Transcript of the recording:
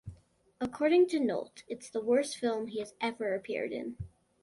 According to Nolte, it's the worst film he has ever appeared in.